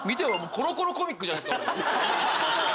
『コロコロコミック』じゃないっすか。